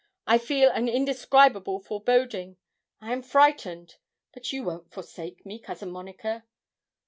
I feel an indescribable foreboding. I am frightened; but you won't forsake me, Cousin Monica.'